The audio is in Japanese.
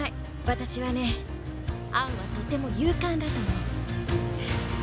私はねアンはとても勇敢だと思う。